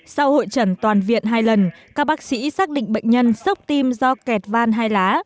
sau hội trần toàn viện hai lần các bác sĩ xác định bệnh nhân sốc tim do kẹt van hai lá